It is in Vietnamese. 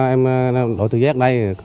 em đổi từ giác đây